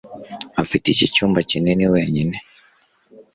afite iki cyumba kinini wenyine